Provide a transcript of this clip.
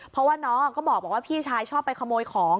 เพราะว่าน้องก็บอกว่าพี่ชายชอบไปขโมยของ